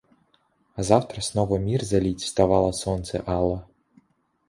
А завтра снова мир залить вставало солнце ало.